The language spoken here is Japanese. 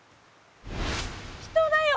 人だよ！